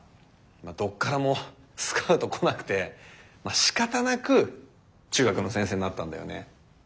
どこからもスカウトこなくてしかたなく中学の先生になったんだよね。